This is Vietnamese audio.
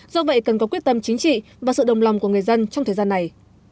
do vậy cần có quyết tâm chính trị và sự đồng lòng của người dân trong thời gian này